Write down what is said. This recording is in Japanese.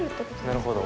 なるほど。